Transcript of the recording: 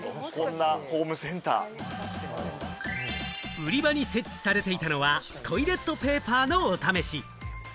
売り場に設置されていたのはトイレットペーパーのお試し。